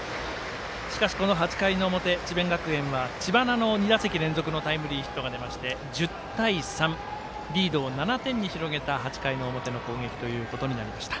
しかしこの８回の表、智弁学園は知花の２打席連続のタイムリーヒットが出まして１０対３、リードを７点に広げた８回の表の攻撃ということになりました。